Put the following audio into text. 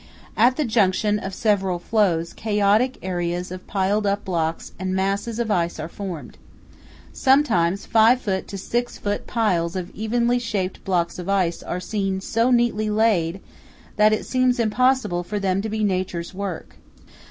At the junction of several floes chaotic areas of piled up blocks and masses of ice are formed. Sometimes 5 ft. to 6 ft. piles of evenly shaped blocks of ice are seen so neatly laid that it seems impossible for them to be Nature's work.